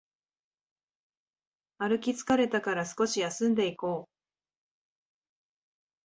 歩き疲れたから少し休んでいこう